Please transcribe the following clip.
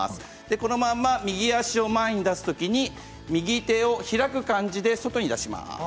このまま右足を前に出すときに右手を開く感じで外に出します。